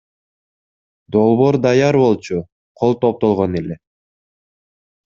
Долбоор даяр болчу, кол топтолгон эле.